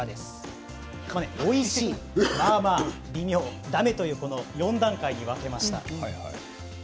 おいしい、まあまあ微妙、ダメという４段階に分けました。